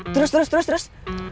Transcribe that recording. terus terus terus